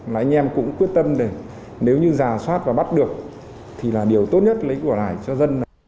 mà anh em cũng quyết tâm để nếu như rà soát và bắt được thì là điều tốt nhất